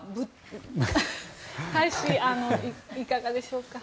大使いかがでしょうか。